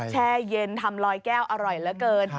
แช่เย็นทำลอยแก้วอร่อยเหลือเกิน